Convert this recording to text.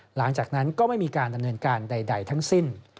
หลังจากนั้นก็ไม่มีการดำเนินการใดทั้งสิ้น